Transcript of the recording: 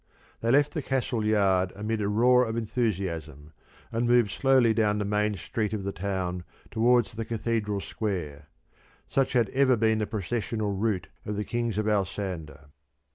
They left the castle yard amid a roar of enthusiasm, and moved slowly down the main street of the town towards the Cathedral square. Such had ever been the processional route of the Kings of Alsander.